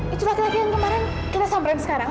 itu laki laki yang kemarin kita samperin sekarang